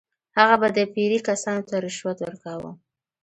هغه به د پیرې کسانو ته رشوت ورکاوه.